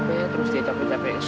aku gak lapar